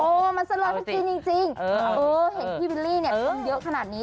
โอ้มันสะลาดจริงเออเห็นพี่วิลลี่เนี่ยทำเยอะขนาดนี้